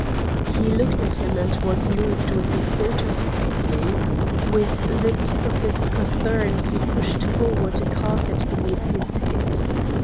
He looked at him and was moved with a sort of pity. With the tip of his cothurn he pushed forward a carpet beneath his head.